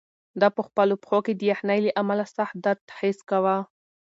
ده په خپلو پښو کې د یخنۍ له امله سخت درد حس کاوه.